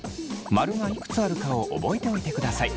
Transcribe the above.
○がいくつあるかを覚えておいてください。